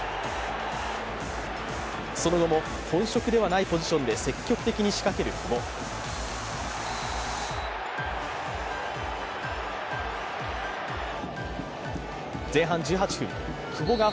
その後も、本職ではないポジションで積極的に仕掛ける久保。